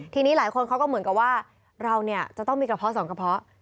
ทีนี้หลายคนเขาก็เหมือนกับว่าเราเนี่ยจะต้องมีกระเพาะสองกระเพาะ